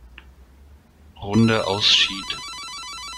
Runde ausschied.